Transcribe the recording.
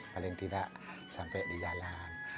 paling tidak sampai di jalan